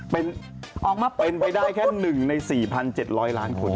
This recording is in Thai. เป็นไปได้แค่๑ใน๔๗๐๐ล้านคน